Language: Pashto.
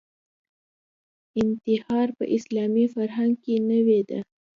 انتحار په اسلامي فرهنګ کې نوې ده